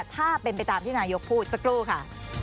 ถ้าเป็นไปตามที่นายกพูดสักครู่ค่ะ